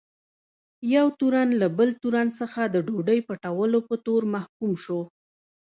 یو تورن له بل تورن څخه د ډوډۍ پټولو په تور محکوم شو.